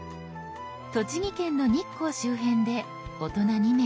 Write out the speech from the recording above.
栃木県の日光周辺で大人２名１部屋。